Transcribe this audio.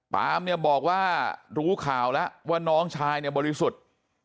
ปามเนี่ยบอกว่ารู้ข่าวแล้วว่าน้องชายเนี่ยบริสุทธิ์